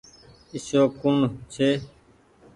اشوڪ ڪوڻ ڇي۔